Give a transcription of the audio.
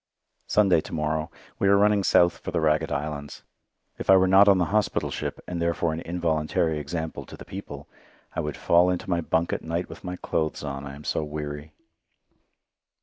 Sunday to morrow. We are running south for the Ragged Islands. If I were not on the hospital ship, and therefore an involuntary example to the people, I would fall into my bunk at night with my clothes on, I am so weary.